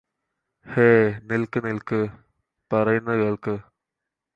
ഹേ നിൽക്ക് നിൽക്ക് പറയുന്നത് കേൾക്ക്